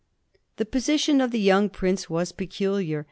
The position of the young prince was peculiar.